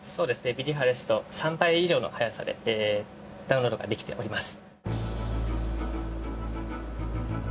ミリ波ですと３倍以上の速さでダウンロードができております。